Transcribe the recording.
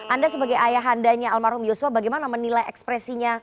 anda sebagai ayah andanya almarhum yosua bagaimana menilai ekspresinya